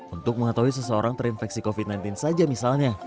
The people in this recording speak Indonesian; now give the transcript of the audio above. untuk mengetahui seseorang terinfeksi covid sembilan belas saja misalnya